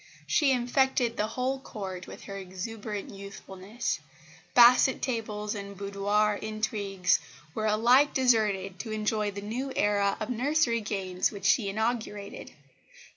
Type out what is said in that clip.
She infected the whole Court with her exuberant youthfulness. Basset tables and boudoir intrigues were alike deserted to enjoy the new era of nursery games which she inaugurated.